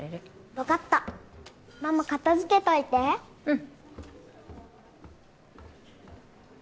分かったママ片づけといてうん